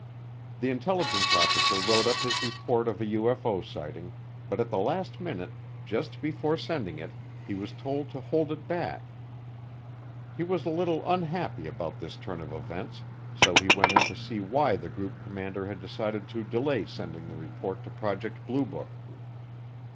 The intelligence officer wrote up his report of a UFO sighting, but at the last minute, just before sending it, he was told to hold it back. He was a little unhappy about this turn of events, so he went in to see why the group commander had decided to delay sending the report to Project Blue Book.